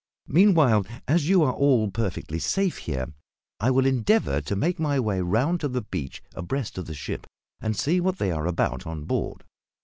Meanwhile, as you are all perfectly safe here, I will endeavour to make my way round to the beach abreast of the ship, and see what they are about on board.